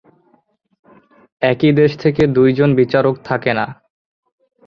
একই দেশ থেকে দুই জন বিচারক থাকে না।